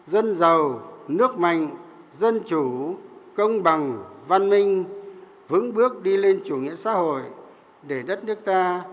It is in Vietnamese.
dân giàu nước mạnh dân chủ công bằng văn minh vững bước đi lên chủ nghĩa xã hội để đất nước ta